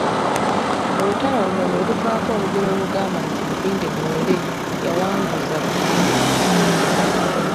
Olutalo luno lwe lwavaako olugero olugamba nti Bulinde buwere, yawanguza Buvuma.